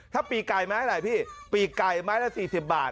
ถ้าปีกไก่ไม้อะไรพี่ปีกไก่ไม้ละ๔๐บาท